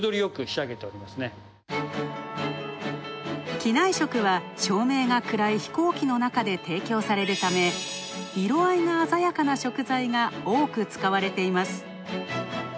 機内食は照明が暗い飛行機の中で提供されるため、色合いが鮮やかな食材が多く使われています。